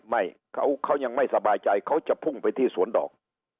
ไม่เขายังไม่สบายใจเขาจะพุ่งไปที่สวนดอก